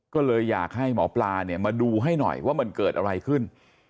ก็เลยอยากให้หมอปลาเนี่ยมาดูให้หน่อยว่ามันเกิดอะไรขึ้น